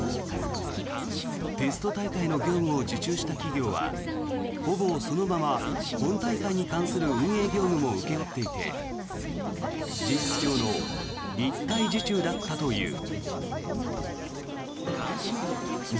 テスト大会の業務を受注した企業はほぼそのまま本大会に関する運営業務も請け負っていて事実上の一体受注だったという。